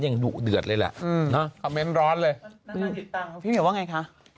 อย่างหนูเดือดเลยแหละอืมนะคอมเม้นร้อนเลยพี่เห็นว่าไงคะ